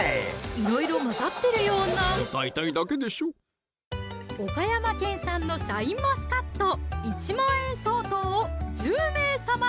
いろいろ混ざってるような歌いたいだけでしょ岡山県産のシャインマスカット１万円相当を１０名様に！